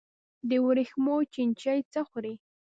د ورېښمو چینجی څه خوري؟